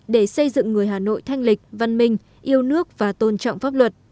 để xây dựng người hà nội thanh lịch văn minh yêu nước và tôn trọng pháp luật